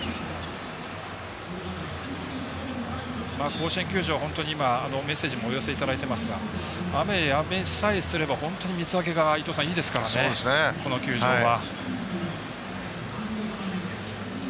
甲子園球場、本当にメッセージもお寄せいただいておりますが雨やみさえすれば甲子園球場は水はけがいいですからねこの球場は。